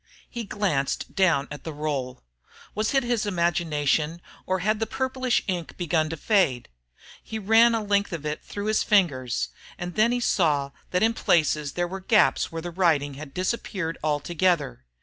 He glanced down at the roll. Was it his imagination, or had the purplish ink begun to fade? He ran a length of it through his fingers, and then he saw that in places there were gaps where the writing had disappeared altogether.